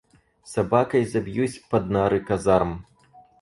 Собакой забьюсь под нары казарм!